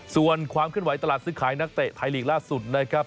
ส่วนความเคลื่อนไหตลาดซื้อขายนักเตะไทยลีกล่าสุดนะครับ